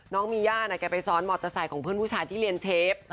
น้องมีย่าแกไปซ้อนมอเตอร์ไซค์ของเพื่อนผู้ชายที่เรียนเชฟ